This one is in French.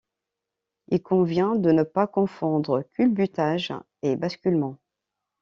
Il convient de ne pas confondre culbutage et basculement.